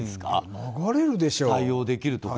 流れるでしょう。